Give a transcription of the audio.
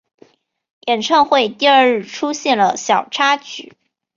演唱会第二日出现了小插曲。